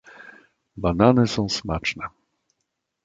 "Banany są smaczne."